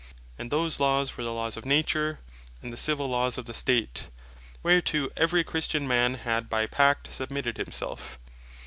And those Laws were the Laws of Nature, and the Civill Laws of the State, whereto every Christian man had by pact submitted himself.